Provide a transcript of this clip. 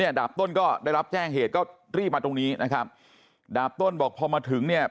ดาบต้นก็ได้รับแจ้งเหตุก็รีบมาตรงนี้นะครับดาบต้นบอกพอมาถึงเนี่ย